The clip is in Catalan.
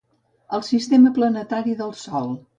El sistema planetari del Sol.